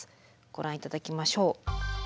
ご覧いただきましょう。